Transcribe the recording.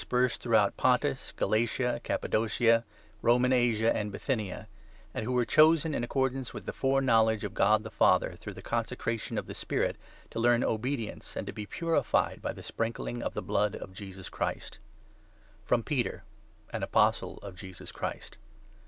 persed throughout Pontus, Galatia, Cappa docia, Roman Asia, and Bithynia, and who were chosen in accordance with the foreknowledge of God the Father, through the consecration of the Spirit, to learn obedience, and to be purified by the sprinkling of the Blood of Jesus Christ, FROM Peter, an Apostle of Jesus Christ.